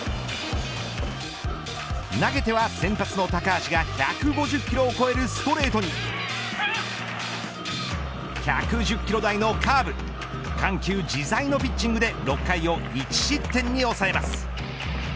投げては先発の高橋が１５０キロを超えるストレートに１１０キロ台のカーブ緩急自在のピッチングで、６回を１失点に抑えます。